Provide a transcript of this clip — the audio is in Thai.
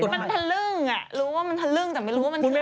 มันทะลึ่งอ่ะรู้ว่ามันทะลึ่งแต่ไม่รู้ว่ามันทึ่ง